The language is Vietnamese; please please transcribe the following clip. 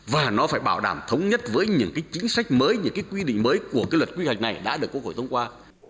và nó phải bảo đảm thống nhất với những cái chính sách mới những cái quy định mới của cái luật quy hoạch này đã được quốc hội thông qua